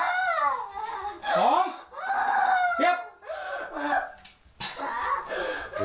เย็บ